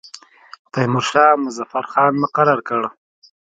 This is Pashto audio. تیمورشاه مظفر خان مقرر کړ.